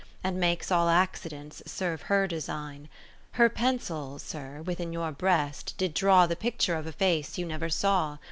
And makes all accidents serve her design : Her pencil (Sir) within your breast did draw The picture of a face you never saw.